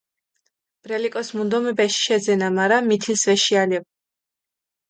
ბრელი კოს მუნდომებ, ეში შეძენა, მარა მითინს ვეშიალებუ.